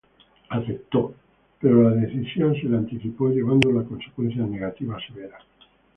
Aceptó, pero la decisión se le anticipó llevándolo a consecuencias negativas severas.